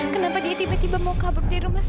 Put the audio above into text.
kenapa dia tiba tiba mau kabur di rumah